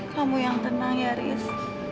kamu yang tenang ya haris